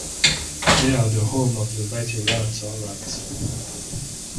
They are the home of the Mighty Rams or Rams.